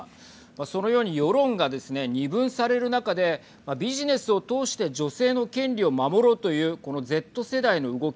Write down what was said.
そのように世論がですね二分される中でビジネスを通して女性の権利を守ろうというこのＺ世代の動き